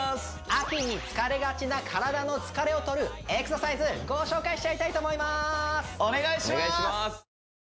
秋に疲れがちな体の疲れを取るエクササイズご紹介しちゃいたいと思いますお願いします